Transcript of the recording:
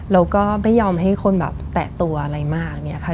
แล้วก็ไม่ยอมให้คนแบบแตะตัวอะไรมากเนี่ยค่ะ